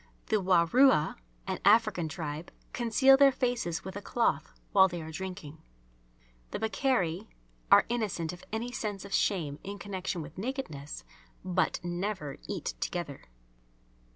The Warua, an African tribe, conceal their faces with a cloth while they are drinking. The Bakairi are innocent of any sense of shame in connection with nakedness, but never eat together.